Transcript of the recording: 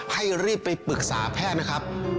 ให้รีบไปปรึกษาแพทย์นะครับ